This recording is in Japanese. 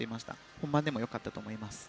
本番でも良かったと思います。